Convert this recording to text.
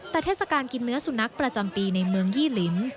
แต่เทศกาลกินเนื้อสุนัขประจำปีในเมืองยี่ลิ้น